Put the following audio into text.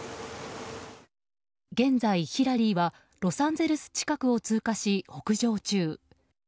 現在、ヒラリーはロサンゼルス近くを通過し北上中。